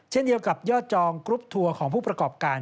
เช่นเดียวกับยอดจองกรุ๊ปทัวร์ของผู้ประกอบการ